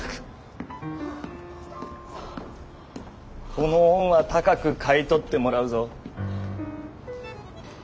この恩は高く買い取ってもらうぞ。